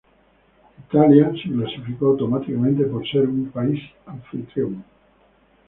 Italia se clasificó automáticamente por ser país anfitrión.